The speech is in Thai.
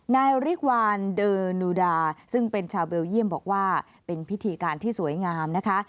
ริกวานเดอร์นูดาซึ่งเป็นชาวเบลเยี่ยมบอกว่าเป็นพิธีการที่สวยงามนะคะ